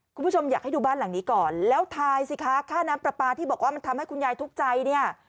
คุณผู้ชมอยากให้ดูบ้านหลังนี้ก่อนแล้วทายสิคะค่าน้ำปลาปลาที่บอกว่ามันทำให้คุณยายทุกข์ใจเนี่ย